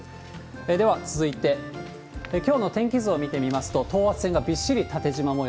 では、続いてきょうの天気図を見てみますと、等圧線がびっしり縦じま模様。